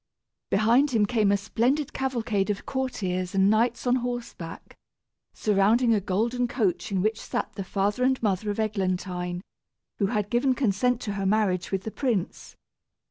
Behind him came a splendid cavalcade of courtiers and knights on horseback, surrounding a golden coach in which sat the father and mother of Eglantine, who had given consent to her marriage with the prince.